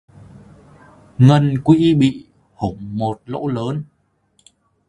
Ngân quỹ bị hủng một lỗ lớn